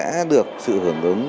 đã được sự hưởng ứng